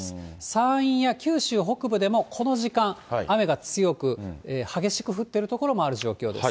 山陰や九州北部でも、この時間、雨が強く、激しく降っている所もある状況です。